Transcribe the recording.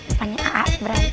kepannya aak brai